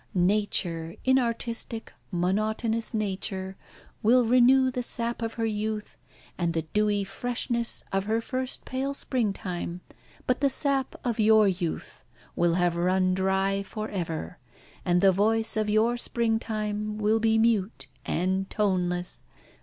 Nature, inartistic, monotonous Nature, will renew the sap of her youth, and the dewy freshness of her first pale springtime, but the sap of your youth will have run dry for ever, and the voice of your springtime will be mute and toneless.